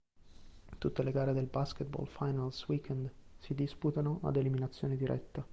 Tutte le gare del "Basketball Finals Weekend" si disputano ad eliminazione diretta.